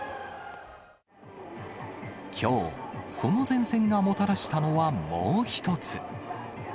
きょう、その前線がもたらしたのは、もう一つ。